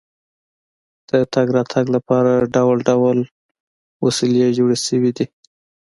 د تګ راتګ لپاره ډول ډول وسیلې جوړې شوې دي.